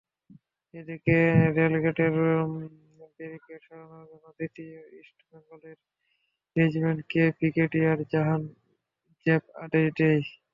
এদিকে রেলগেটের ব্যারিকেড সরানোর জন্য দ্বিতীয় ইস্টবেঙ্গলের রেজিমেন্টকে ব্রিগেডিয়ার জাহান জেব আদেশ দেয়।